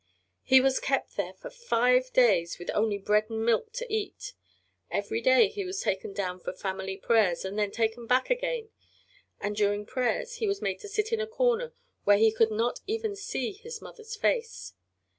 He was kept there for five days with only bread and milk to eat. Every day he was taken down for family prayers and then taken back again, and during prayers he was made to sit in a corner where he could not even see his mother's face.